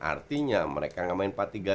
artinya mereka gak main empat tiga